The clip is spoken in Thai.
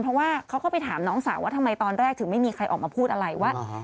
เพราะว่าเขาก็ไปถามน้องสาวว่าทำไมตอนแรกถึงไม่มีใครออกมาพูดอะไรว่า